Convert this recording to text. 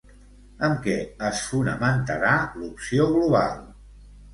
Amb què es fonamentarà l'opció "global"?